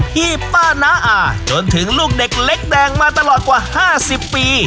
พี่ป้าน้าอาจนถึงลูกเด็กเล็กแดงมาตลอดกว่า๕๐ปี